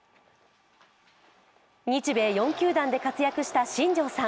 日米４球団で活躍した新庄さん。